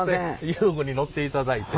遊具に乗っていただいて。